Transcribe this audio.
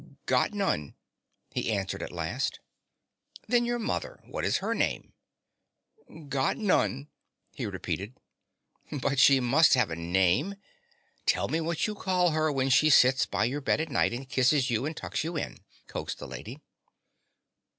"Got none," he answered at last. "Then your mother. What is her name?" "Got none," he repeated. "But she must have a name. Tell me what you call her when she sits by your bed at night and kisses you and tucks you in," coaxed the lady.